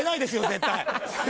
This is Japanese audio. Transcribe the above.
絶対。